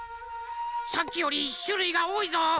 さっきよりしゅるいがおおいぞ。